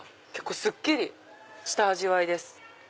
すっきりした味わいです。